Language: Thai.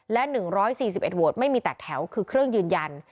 และ๑๔๑โหวตไม่มีแตกแถวคือเครื่องยืนยัน